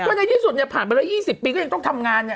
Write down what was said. ก็ในที่สุดเนี่ยผ่านไปแล้ว๒๐ปีก็ยังต้องทำงานเนี่ย